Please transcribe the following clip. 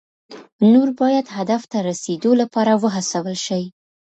نور باید هدف ته د رسیدو لپاره وهڅول شي.